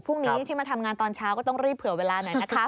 พรุ่งนี้ที่มาทำงานตอนเช้าก็ต้องรีบเผื่อเวลาหน่อยนะคะ